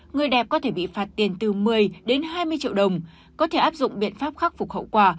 người đẹp có thể bị phạt tiền từ một mươi đến hai mươi triệu đồng có thể áp dụng biện pháp khắc phục hậu quả